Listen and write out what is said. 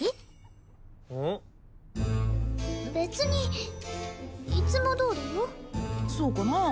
別にいつもどおりよそうかな？